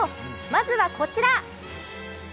まずはこちら！